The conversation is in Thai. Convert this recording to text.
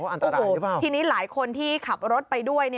อ๋ออันตรายหรือเปล่าโอ้โหทีนี้หลายคนที่ขับรถไปด้วย